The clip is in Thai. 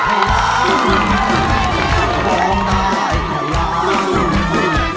ตรงตรงตรง